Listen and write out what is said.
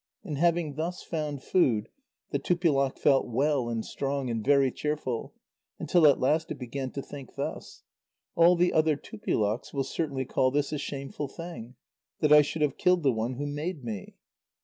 And having thus found food, the Tupilak felt well and strong and very cheerful, until at last it began to think thus: "All the other Tupilaks will certainly call this a shameful thing, that I should have killed the one who made me."